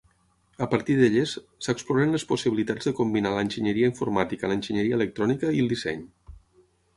A partir d'elles, s'exploren les possibilitats de combinar l'enginyeria informàtica, l'enginyeria electrònica i el disseny.